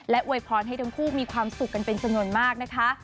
อวยพรให้ทั้งคู่มีความสุขกันเป็นจำนวนมากนะคะ